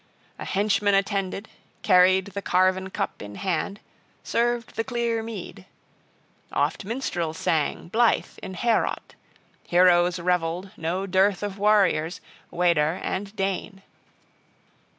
A henchman attended, carried the carven cup in hand, served the clear mead. Oft minstrels sang blithe in Heorot. Heroes revelled, no dearth of warriors, Weder and Dane.